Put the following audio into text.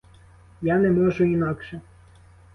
Я не можу інакше.